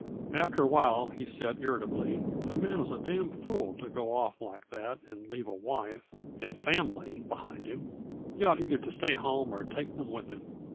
After a while he said irritably that a man was a damn fool to go off like that and leave a wife and family behind him. He ought either to stay at home or take them with him.